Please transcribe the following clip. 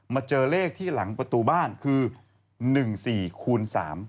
เจอเลขที่หลังประตูบ้านคือ๑๔คูณสาม